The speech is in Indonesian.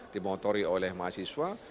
dimotori oleh mahasiswa